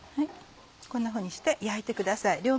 こんなふうにして焼いてください。